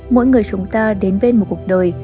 mỗi người chúng ta đến bên một cuộc đời